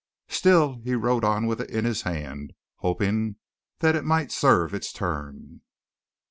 Still, he rode on with it in his hand, hoping that it might serve its turn.